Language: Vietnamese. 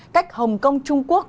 cách hồng kông trung quốc